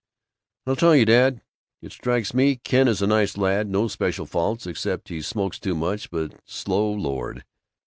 "I'll tell you, dad: it strikes me Ken is a nice lad; no special faults except he smokes too much; but slow, Lord!